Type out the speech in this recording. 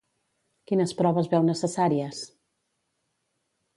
Quines proves veu necessàries?